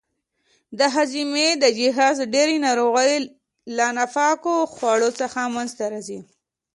د هاضمې د جهاز ډېرې ناروغۍ له ناپاکو خوړو څخه منځته راځي.